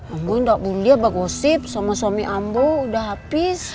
enggak boleh bahas gosip sama suami ambo udah habis